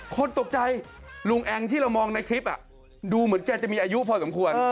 คนตกใจลุงแองที่เรามองในคลิปดูเหมือนแกจะมีอายุพอสมควร